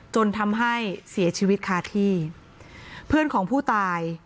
จนทำให้เสียชีวิตคาที่เพื่อนของผู้ตาย